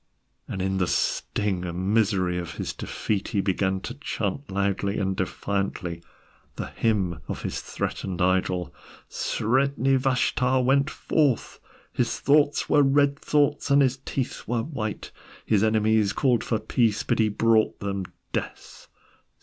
And in the sting and misery of his defeat, he began to chant loudly and defiantly the hymn of his threatened idol: Sredni Vashtar went forth, His thoughts were red thoughts and his teeth were white. His enemies called for peace, but he brought them death.